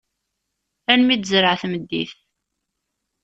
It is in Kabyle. Almi i d-tezreɛ tmeddit.